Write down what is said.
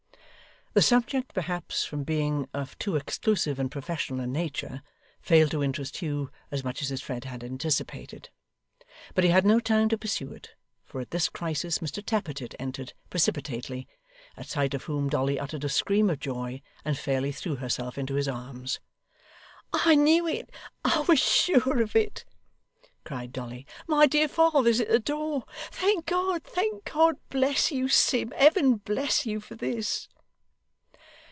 The subject, perhaps from being of too exclusive and professional a nature, failed to interest Hugh as much as his friend had anticipated. But he had no time to pursue it, for at this crisis Mr Tappertit entered precipitately; at sight of whom Dolly uttered a scream of joy, and fairly threw herself into his arms. 'I knew it, I was sure of it!' cried Dolly. 'My dear father's at the door. Thank God, thank God! Bless you, Sim. Heaven bless you for this!